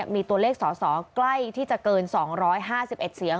มีตัวเลขสอสอใกล้ที่จะเกิน๒๕๑เสียง